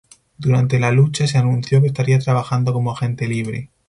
Durante la lucha, se anunció que estaría trabajando como agente libre.